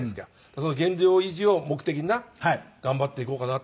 現状維持を目的にな頑張っていこうかなって。